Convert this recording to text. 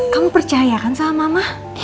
kamu percaya kan sama mama